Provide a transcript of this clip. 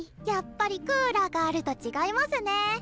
やっぱりクーラーがあると違いマスね。